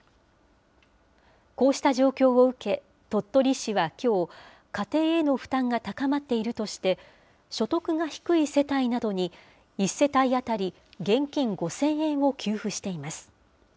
こうした状況を受け、鳥取市はきょう、家庭への負担が高まっているとして、所得が低い世帯などに、１世帯当たり現金５０００円を給付しています。